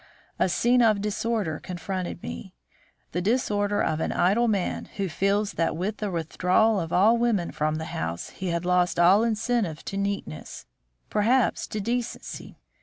A scene of disorder confronted me; the disorder of an idle man who feels that with the withdrawal of all women from the house he had lost all incentive to neatness, perhaps to decency.